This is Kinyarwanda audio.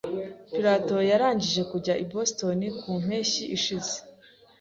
Pirato yarangije kujya i Boston mu mpeshyi ishize.